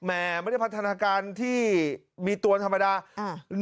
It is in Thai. แม่มันเป็นพัฒนาการที่มีตรวนธรรมดาอ่า